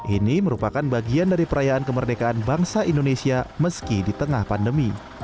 ini merupakan bagian dari perayaan kemerdekaan bangsa indonesia meski di tengah pandemi